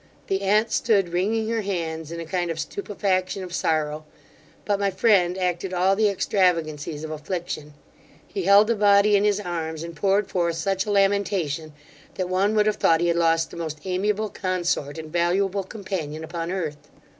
The aunt stood wringing her hands in a kind of stupefaction of sorrow, but my friend acted all the extravagancies of affliction He held the body in his arms, and poured forth such a lamentation, that one would have thought he had lost the most amiable consort and valuable companion upon earth.